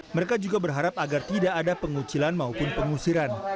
mereka juga berharap agar tidak ada pengucilan maupun pengusiran